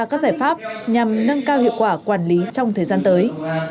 các giải pháp nhằm nâng cao hiệu quả quản lý trong thời gian tới